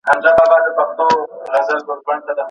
لاره د خیبر، د پښتنو د تلو راتللو ده